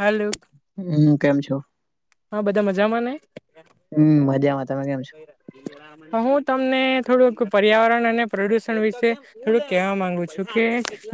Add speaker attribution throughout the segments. Speaker 1: હાલો
Speaker 2: હમ કેમ છો?
Speaker 1: હા બધા મજામાં ને?
Speaker 2: હમ મજામાં તમે કેમ છો?
Speaker 1: હું તમને થોડુંક પર્યાવરણ અને પ્રદૂષણ વિશે થોડુંક કેહવા માંગુ છું, કે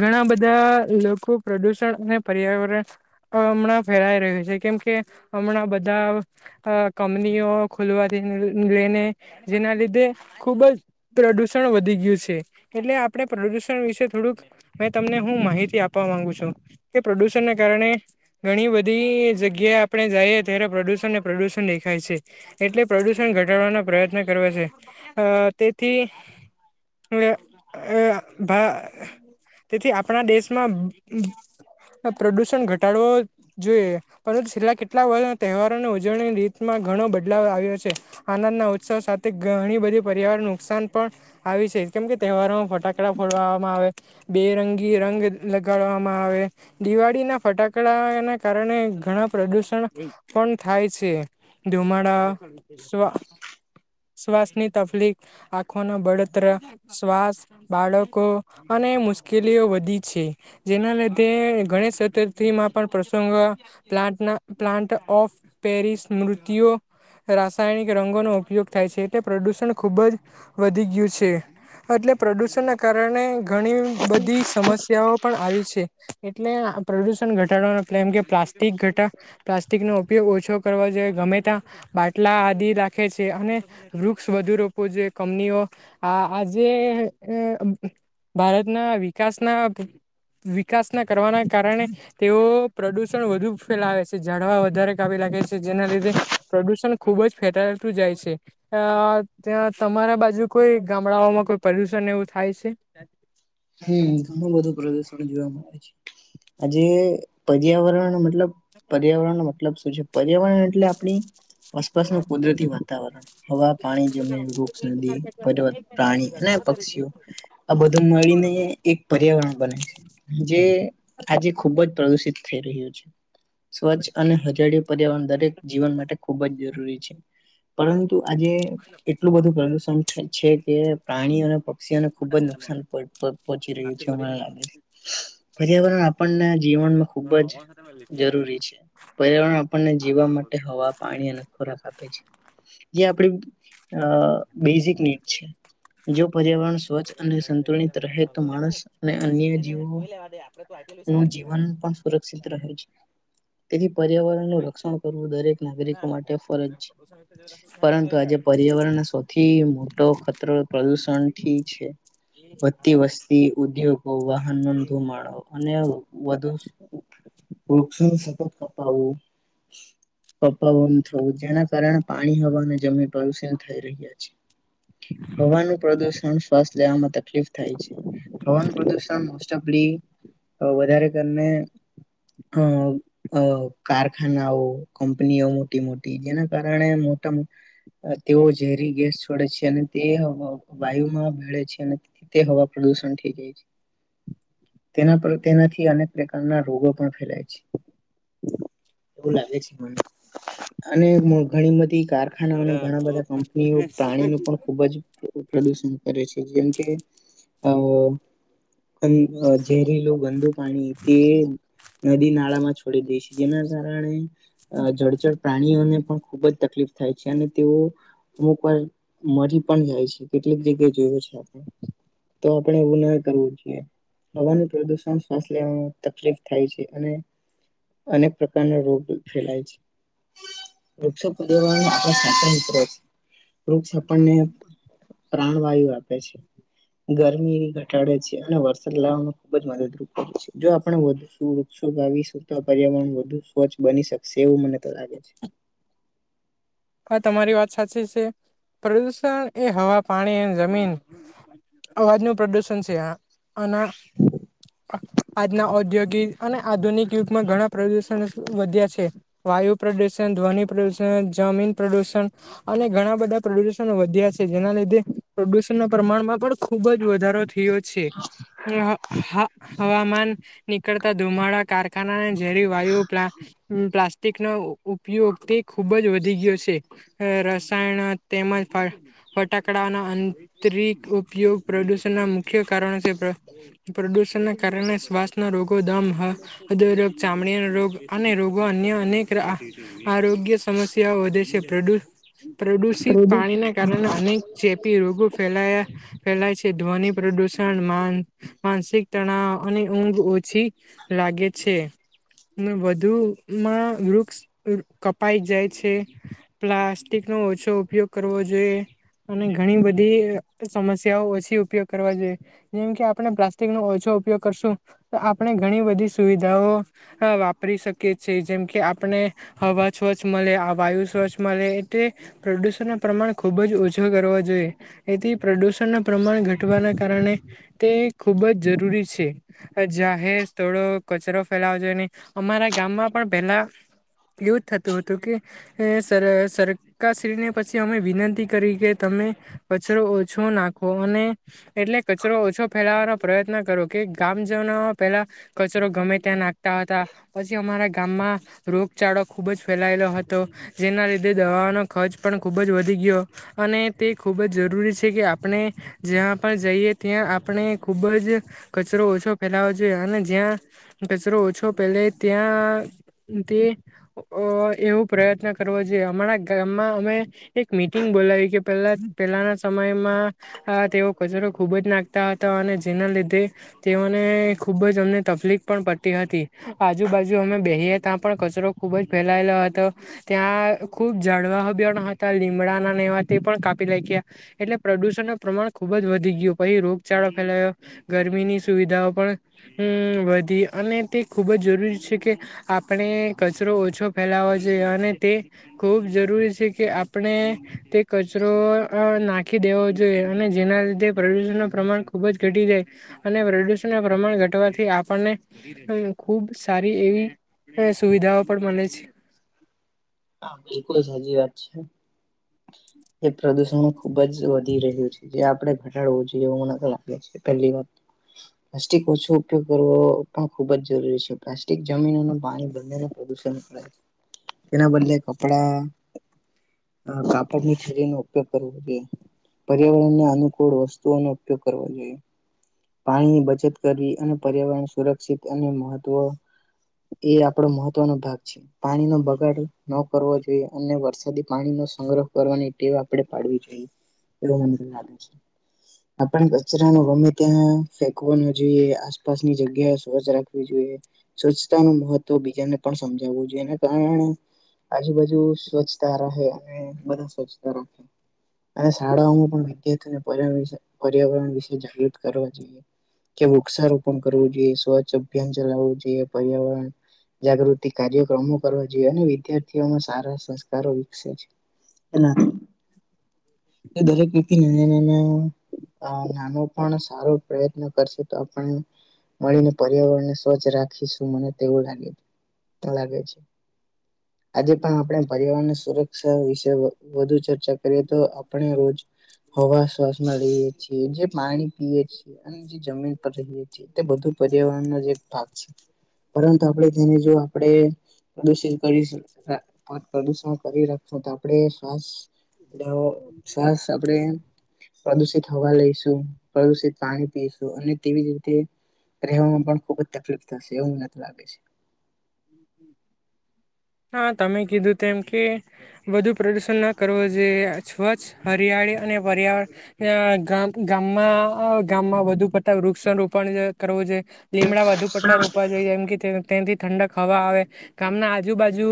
Speaker 1: ઘણા બધા લોકો પ્રદૂષણ અને પર્યાવરણ પણ હમણાં ફેલાઈ રહ્યું છે. કેમ કે હમણાં બધ્ બધા અ કંપનીઓ ખુલવાથી, લઈને જેના લીધે ખુબ જ પ્રદૂષણ વધી ગયું છે. એટલે આપણે પ્રદૂષણ વિશે થોડુંક, મે તમને હું માહિતી આપ આપવા માંગું છું, કે પ્રદૂષણને કારણે ઘણી બધી જગ્યા આપણે જાઈએ ત્યારે પ્રદૂષણને પ્રદૂષણ દેખાય છે. એટલે પ્રદૂષણ ઘટાડવાનો પ્રયત્ન કરવો જોઈયે. અ તેથી અ અ ભા તેથી આપણા દેશમાં પ્રદૂષણ ઘટાડવો જોઈએ, પરંતુ છેલ્લા કેટલા વર્ષ તહેવારોની ઉજવણીની રીતમાં ઘણો બદલાવ આવ્યો છે. આનંદના ઉત્સવ સાથે ઘણી બધી પર્યાવરણ નુકસાન પણ આવી છે. કેમ કે તહેવારોમાં ફટાકડા ફોડવામાં આવે, બેરંગી રંગ લગાડવામાં આવે દિવાળી ના ફટાકડા ના કારણે ઘણા પ્રદુષણ પણ થાય છે ધુમાડા સ્વા શ્વાસની તકલીફ આખવાનો બળતર શ્વાસ બાળકો અને મુશ્કેલીઓ વધી છે જેના લીધે ગણેશ ચતુર્થીમાં પણ પ્રસંગો પ્લાટના પ્લાન્ટ ઓફ પેરિસ મૃત્યઓ રાસાયણિક રંગોનો ઉપયોગ થાય છે એટલે પ્રદુષણ ખુબ જ વધી ગયું છે. આટ ટલે પ્રદુષણ ના કારણે ઘણી બધી સમસ્યાઓ પણ આવી છે. એટલે પ્રદૂષણ ઘટાડવાનું એટલે એમ કે પ્લાસ્ટિક ઘટા પ્લા પસ્ટિકનો ઉપયોગ ઓછો કરવા જોઈએ ગમે ત્યાં બાટલા આદિ રાખે છે અને વૃક્ષ વધુ રો જે કમનીઓ આ આજે ભારતના વિકાસ ના વિકાસ ના કરવાના કારણે તેઓ પ્રદુષણ વધુ ફેલાવે છે. જાઝડવા વધારે કાપી લાગે છે જેના લીધે પ્રદૂષણ ખૂબ જ ફેટતું જાય છે. ત્યાં તમારા બાજુ કોઈ ગામડાઓમાં કોઈ પલ્યુશન એવું થાય છે.
Speaker 2: હમ ઘણું બધું પ્રદુષણ જોવા મળે છે આજે પર્યાવરણ મતલબ પર્યાવરણ નો મતલબ શું છે પર્યાવરણ એટલે આપણી આસપાસનું કુદરતી વાતાવરણ હવા પાણી જમીન વૃક્ષ નદી પર્વત પ્રાણી અને પક્ષીઓ આ બધું મળીને એક પર્યાવરણ બને છે જે આજે ખુબ જ િત થઈ રહ્યો છે. સ્વચ્છ અને હજળી પર્યાવરણ દરેક જીવન માટે ખુબ જ જરૂરી છે. પરંતુ આજે એટલું બધું પ્રદુષણ છે કે પ્રાણીઓ અને ને ખુબ જ નુકસાન પહોંચી રહ્યું છે મ લાગે છે પર્યાવરણ આપણને જીવનમાં ખૂબ જ જરૂરી છે પર્યાવરણ આપણને જીવવા માટે હવા પાણી અને ખોરાક આપે છે. જે આપણી અ બેઝિક નીડ છે જો પર્યાવરણ સ્વચ્છ અને સંતુલિત રહે તો માણસ અને અન્ય જીવો નું જીવન પણ સુરક્ષિત રહે છે. તેથી પર્યાવરણનુંું રક્ષણ કરવું દરેક નાગરિકો માટે ફરજ છે પરંતુ આજે પર્યાવરણ સૌથી મોટો ખતરો પ્રદુષણ થી છે વત્તી વસ્તી ઉદ્યોગ વાહન નોંધુ માણો અને વધુ વૃ કપાવું પપન થવું જેના કારણે પાણી હવા અને જમીન પ્રદુષણ થઈ રહ્યા છે. હવાનું પ્રદુષણ શ્વાસ લેવામાં તકલીફ થાય છે હવાનું પ્રદુષણ ચપલી વધારે કરીને અ કારખાનાઓ કંપનીઓ મોટી મોટી જેના કારણે તમ તેઓ ઝેરી ગેસ છોડે છે અને તે વાયુમાં ભેળે છે અને એ તે હવા પ્રદૂષણ ઠી હઈ છે. તેના પર તેનાથી અનેક પ્રકારના રોગો પણ ફેલાય છે. એવું લાગે છે મને અને ઘણી બધી કારખાનાઓ અને ઘણા બધા કંપનીઓ પ્રાણી નું પણ ખુબ જ પ્રદુષણ કરે છે. જેમ કે હ ઝેરીલો ગંદુ પાણી તે નદી નાળામાં છોડી દે છે જેના કારણે જળચર પ્રાણીઓને પણ ખુબ જ તકલીફ થાય છે અને તેઓ અમુક વાર મરી પણ જાય છે કેટલીક જગ્યાએ જોયું છે આપણે તો આપણે એવું ન કરવું જોઈએ. હવાનું પ્રદુષણ શ્વાસ લેવામાં તકલીફ થાય છે અને અનેક પ્રકારના રોગ ફેલાય છે વૃ [unintelligible] આપણાિત્ર વૃક્ષ છાપડને પ્રાણવાયુ આપે છે. ગરમી ઘટાડે છે અને વરસાદ લાવવા ખુબ જ મદદરૂપ કરે છે જો આપ વધ વૃક્ષો આવી પર્યાવરણ વધુ સ્વચ્છ બની શકશે એવું મને તો લાગે છે.
Speaker 1: [inaudible] આ તમારી વાત સાચી છે પ્રદુષણ એ હવા પાણી એ જમીન અવાજનુંું પ્રદુષણ છે અને આજના ઔદ્યોગિક અને આધુનિક યુગમાં ઘણા પ્રદુષણ વધ્યા છે વાયુ પ્રદુષણ ધ્વનિ પ્રદુષણ જામીન પ્રદૂષણ અને ઘણા બધા પ્રદૂષણ વધ્યા છે. જેના લીધે પ્રદૂષણના પ્રમાણમાં પણ ખૂબ. ખુબ જ વધારો થયો છે. હવામાન નીકળતા ધુમાડા કારખાનાને ઝેરી વાયુ પ પ્લાસ્ટિક ન ઉપયોગથી. ખૂબ જ વધી ગયો છે. રસાયણ તેમજ ફટાકડાનો આંતરિક ઉપયોગ. પ્રદૂષણના મુખ્ય કારણો છે. પ્રદૂષણ ના કારણે શ્વાસના રોગો દામ હૃદયરોોગ ચામડીિયાનો રોગ અને રોગો અન્ય અનેક આરોગ્ય સમસ્યાઓ વધે છે. પર પ્રદુષિત
Speaker 2: પ્રદૂષણ
Speaker 1: પાણીને કારણે અનેક ચેપી રોગો. પલ્લા પલાય છે. ધ્વનિ પ્રદૂષણ માનસિક તણાવ અને ઊંઘ. પછી લાગે છે. વધુ માં વૃક્ષ કપાઈ જાય છે. પ્લાસ્ટિકનો ઓછો ઉપયોગ કરવો જોઈએ. અને ઘણી બધી સમસ્યાઓ ઓછી ઉપયોગ કરવા જોઈએ જેમ કે આપણે પ્લાસ્ટિક નો ઓછો ગ આપણે ઘણી બધી સુવિધાઓ વાપરી શકીએ છીએ જેમ કે આપણે હવા સ્વચ્છ મળે આ વાયુ સ્વચ્છ. મળ એ પ્રદૂષણ ના પ્રમાણ ખૂબ જ ઓછું કરવા જોઈએ. એથી પ્રદૂષણના પ્રમાણ. ઘટવાના કારણે તે ખુબ જ જરૂરી છે. જાહેર સ્થળો કચરા. [unintelligible] અમારા ગામમાં પણ પેલા થતું હતું કે. તારે સરકારશ્રીને પછી. અમે વિનંતી. કરી કે તમે કચરો ઓછો નાખો અને એટલે કચરો ઓછો ફેલાવાનો પ્રયત્ન કરો. કે ગામ જમાં પેલા કચરો ગમે. અ ત્યાં નાખતા હતા. પછી અમારા ગામમાં રોગચાળો ખુબ જ ફેલાયેલો હતો. જેના લીધે દવાઓનો ખર્ચ પણ ખૂબ જ વધી ગયો. અને તે ખૂબ જ જરૂરી છે કે આપણે. જ્યાં પણ જઈએ ત્યાં આપણે ખુબ જ કચરો ઓછો ફેલાવો જોઈએ અને જ્યાં કચરો ઓછો પહેલે ત્યાં તે એવો પ્રયત્ન જોઈએ અમારા ગામમાં અમે એક મીટિંગ બોલાવી કે પેલા પેલાના સમયમાં. આ તેઓ કચરો ખૂબ જ નાખતા હતા. અને જેના લીધે તેઓને ખુબ જ અમને તકલીફ. પણ પડતી હતી આજુબાજુ અમે બેહીએ ત્યાં પણ કચરો ખુબ જ ફેલાયેલો હતો. ત્યાં ખૂબ જળવાહબણ હતા. લીમડાના નેવા તે પણ કાપી લઈ ગયા એટલે પ્રદૂષણ. પ્રમાણ ખુબ જ વધી ગયું પછી રોગચળો ફેલાયો ગરમીની સુવિધાઓ પણ હમમમ. વધી અને તે ખૂબ જ જરૂરી છે. કે આપણે કચરો ઓછો ફેલાવો જોઈએ અને. તે ખૂબ જરૂરી છે કે આપણે તે કચરો નાખી ી દેવ જોઈએ અને જેના લીધે પ્રદૂષણ ન પ્રમાણ ખુબ જ ઘટી જાય. અને પ્રદૂષણ ન પ્રમાણ. થી આપણને ખુબ સારી એવી સુવિધાઓ પણ મળે છે. [inaudible]
Speaker 2: હા બિલકુલ સાજીી વાત છે. એ પ્રદુષણબ. ખુબ જ વધી રહ્યું છે જે આપણેે ઘટાડવું જોઈએ એવ મ લાગે પેલી વાત. પ્લાસ્ટિક ઓછો ઉપયોગ કરવો પણ ખુબ જ જરૂરી છે. પ્લાસ્ટિક જમીનો ન પાણી બ પ્રે તેના બદલે કપડા. હ કાપડ ની ખીડી નો ઉપયોગ કરવો જોઈએ. પર્યાવરણને અનુકૂળ વસ્તુઓનો ઉપયોગ કરવાો જોઈએ. પાણીની બચત કરવી અને પર્યાવરણ સુરક્ષિત અને મહત્વ એ આપડો મહત્વનો ભાગ છે. પાણી નો બગાડ ન કરવો જોઈએ અને. વરસાદી પાણીનો સંગ્રહ કરવાની ટેવ આપે પાડવી જોઈએ એ મ લાગે છે. આપણે કચરા ન ગમે ત્યાં ફેકવા ન જોઈએ. આસપાસની જગ્યા સ્વજછ રાખવી જોઈએ. સ્વચ્છતા ન મહત્વ બીજાને પણ સમજાવો જોઈએ. એના કારણે આજુબાજુ સ્વચ્છતા રહે અને બધા સ્વચ્છતા રાખે. અને શાળાઓમાં પણ વિદ્યાર્થીઓને પર પર્યાવરણ વિશે જાગૃત કરવા જોઈએ. કે વૃક્ષારોપણ કરવું જોઈએ, સ્વચ્છ અભિયાન ચલાવવું જોઈએ, પર્યાવરણ જાગૃતિ કાર્યક્રમો કરવા જોઈએ અને વિદ્યાર્થીઓમાં સારા સંસ્કારો વિકસે છે. એના દરેક રીનાના આ નાનો પણ સારો પ્રયત્ન કરશે તો આપણ મળીને પર્યાવરણને સ્વચ્છ રાખીશું મને તેવું લાગે લાગે છે. આજે પણ આપડે પર્યાવારણને સુરક્ષ શ વિશે વ-વધુ ચર્ચા કરીએ તો આપણે રોજ હવા શ્વાસ માં રહીએ છીએ જે પાણી પીએ છીએ અને જે જમીન પર રહીએ છીએ તે બધું પર્યાવરણનો જ એક ભાગ છે પરંતુ આપડે તેને જો આપડે પ્રદૂષી કરીશું હા પ્રદુષણ કરી રાખશો તો આપડે શ્વાસ ધા અહ સરસ આપડે પ્રદુષિત હવા લઈશું પ્રદુષિત પાણી પીશું અને તેવી જ રીતે રહેવામાં પણ ખુબ જ તકલીફ થશે એવું નથ લાગે છે.
Speaker 1: [inaudible] હા, તમે કીધું તેમ કે બધુ પ્રદુશન ના કરવો જોઈએ સ્વચ્છ હરિયાળી અન ને પર્યા અહ ગામ ગામમાં ગામમાં વધુ પડતા વૃક્ષારોપણ કરવું જોએ લીમડા વધુ પટ્ટા રોકવા જોઈએ જેમ કે તે તેનથી ઠંડક હવા આવે ગામના આજુબાજુ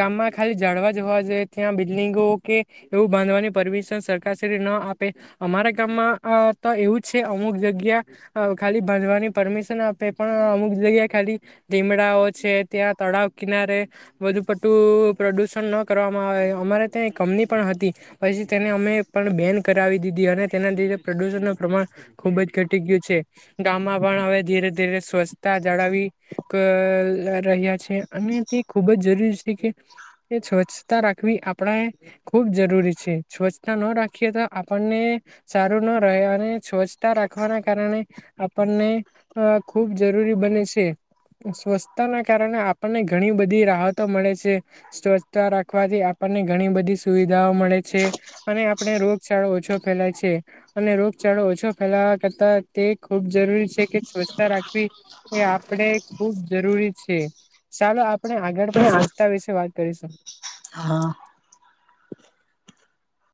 Speaker 1: ગામમાં ખાલી જળવા જ હોવા જોઈએ ત્યાં બી લિંગો કે એવું બાંધવાની પરમિશન સરકાર શ્રી ના આપે અમારા ગામમા અહ ત એ વું છે અમુક જગ્યા અહ ખાલી બાંધવાની પરમિશન આપે પણ અમુક જગ્યા ખાલી દીમડાઓ છે ત્યાં તળાવ કિનારે વધુ પટું પ્રદુષણ ન કરવામાં આવે. અમારે ત્યાં કંપની પણ હતી પછી તેને અમે પણ બેન કરાવી દીધી અને તેના લીધે પપ્રદૂષણનો ખુબ જ ઘટી ગયું છે ગામમાં પણ હવે ધીરે ધીરે સ્વચ્છતા જાળવી રહ્યા છે અને તે ખૂબ જ જરૂરી છે કે તે સ્વચ્છતા રાખવી આપણે ખુબ જરૂરી છે સ્વચ્છતા ન રાખીએ તો આપણને સારું ના રહે અને સ્વચ્છતા રાખવાના કારણે આપણને ખૂબ જરૂરી બને છે સ્વચ્છતા ના કારણે આપણને ઘણી બધી રાહતો મળે છે સ્વચ્છતા રાખવાથી આપને ઘણી બધી સુવિધાઓ મળે છે અને આપણે રોગચળો ઓછો ફેલાય છે અને ચો ઓછો ફેલાવા કરતા તે ખૂબ જરૂરી છે કે સ્વચ્છતા રાખવી એ આપણે ખુબ જરૂરી છે ચાલો આપણે આગળમાં
Speaker 2: પણ
Speaker 1: સોચતા વિશે વાત કરીશું
Speaker 2: હા